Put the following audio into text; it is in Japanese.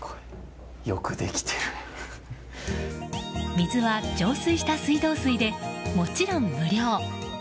水は浄水した水道水でもちろん無料。